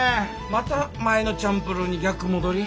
また前のチャンプルーに逆戻り？